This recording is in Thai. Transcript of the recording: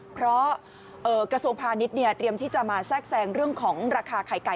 เพราะกระทรวงพาณิชย์เตรียมที่จะมาแทรกแซงเรื่องของราคาไข่ไก่